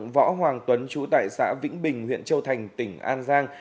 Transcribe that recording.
võ hoàng tuấn chú tại xã vĩnh bình huyện châu thành tỉnh an giang